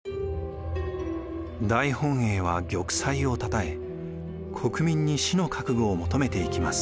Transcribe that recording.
大本営は玉砕をたたえ国民に死の覚悟を求めていきます。